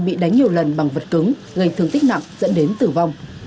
bị đánh nhiều lần bằng vật cứng gây thương tích nặng dẫn đến tử vong